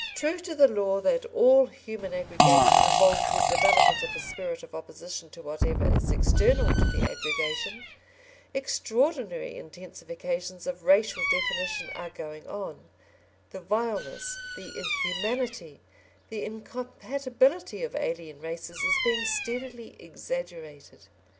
True to the law that all human aggregation involves the development of a spirit of opposition to whatever is external to the aggregation, extraordinary intensifications of racial definition are going on; the vileness, the inhumanity, the incompatibility of alien races is being steadily exaggerated.